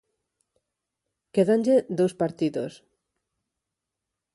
Quédanlle dous partidos.